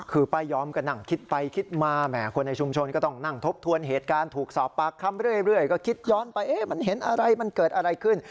คือป้ายอมก็นั่งคิดไปคิดมาแหมคนในชุมชนก็ต้องนั่งทบทวนเหตุการณ์ถูกสอบปากคำเรื่อยก็คิดย้อนไปเอ๊ะมันเห็นอะไรมันเกิดอะไรขึ้น